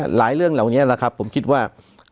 หลายเรื่องเหล่านี้ผมคิดว่า